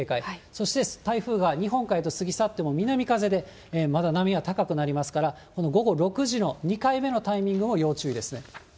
そして台風が日本海へと過ぎ去っても、南風でまだ波は高くなりますから、この午後６時の２回目のタイミングも要注意ですね。